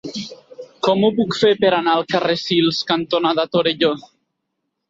Com ho puc fer per anar al carrer Sils cantonada Torelló?